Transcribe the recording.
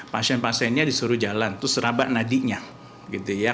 pasien pasiennya disuruh jalan terus serabat nadinya